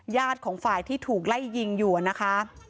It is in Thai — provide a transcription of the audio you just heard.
ของฝ่ายที่ถูกไล่ยิงอยู่นะคะ